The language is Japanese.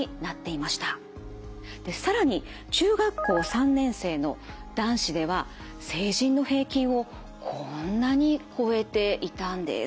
更に中学校３年生の男子では成人の平均をこんなに超えていたんです。